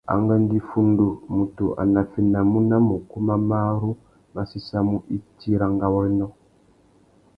Angüêndô iffundu, mutu a naffénamú nà mukú mà marru má séssamú itsi râ ngawôrénô.